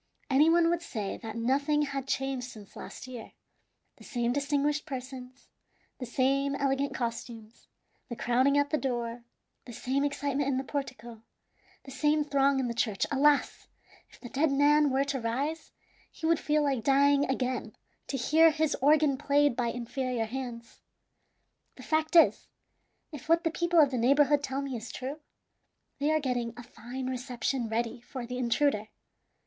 Any one would say that nothing had changed since last year. The same distinguished persons, the same elegant costumes, the crowding at the door, the same excitement in the portico, the same throng in the church. Alas! if the dead man were to rise, he would feel like dying again to hear his organ played by inferior hands. The fact is, if what the people of the neighborhood tell me is true, they are getting a fine reception ready for the intruder.